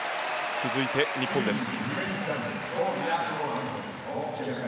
続いて、日本です。